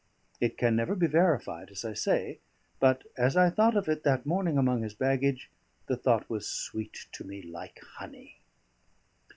It can never be verified, as I say; but as I thought of it that morning among his baggage, the thought was sweet to me like honey.